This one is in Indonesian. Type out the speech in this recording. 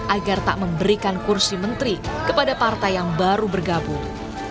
agar tak memberikan kursi menteri kepada partai yang baru bergabung